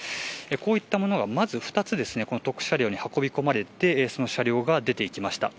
こういったものがまず２つ特殊車両に運び込まれてその車両が出ていきました。